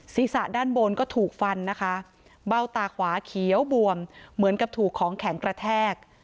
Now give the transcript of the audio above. ศีรษะด้านบนก็ถูกฟันนะคะเบ้าตาขวาเขียวบวมเหมือนกับถูกของแข็งกระแทก